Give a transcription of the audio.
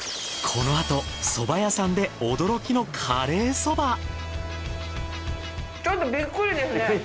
このあと蕎麦屋さんで驚きのカレー蕎麦！